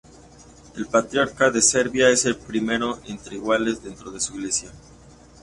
El Patriarca de Serbia es el primero entre iguales dentro de su Iglesia.